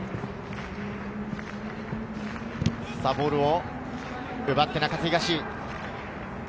ボールを奪った中津東。